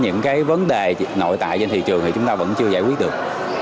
những cái vấn đề nội tại trên thị trường thì chúng ta vẫn chưa giải quyết được